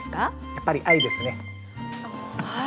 やっぱり「愛」ですね。